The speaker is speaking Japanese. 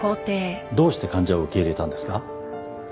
どうして患者を受け入れたんですか？